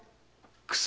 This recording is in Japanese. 薬。